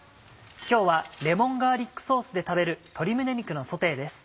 今日はレモンガーリックソースで食べる「鶏胸肉のソテー」です。